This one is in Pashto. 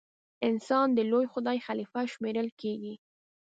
انسان د لوی خدای خلیفه شمېرل کیږي.